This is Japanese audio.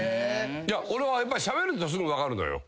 俺はやっぱりしゃべるとすぐ分かるのよ。